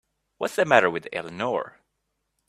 What's the matter with Eleanor?